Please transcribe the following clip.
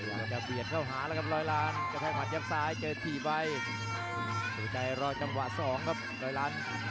ระยะจะเบียนเข้าหางล่ะครับรอยล้าน